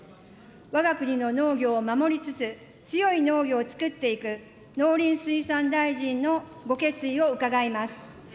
わが国の農業を守りつつ、強い農業をつくっていく、農林水産大臣のご決意を伺います。